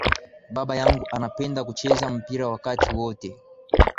Baba yangu anapenda kucheza mpira wakati wote